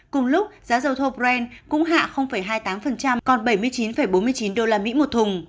cùng lúc giá dầu thô brand cũng hạ hai mươi tám còn bảy mươi chín bốn mươi chín usd một thùng